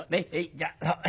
じゃあ。